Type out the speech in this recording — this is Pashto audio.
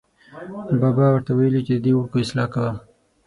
بابا ور ته ویلې چې ددې وړکو اصلاح کوه.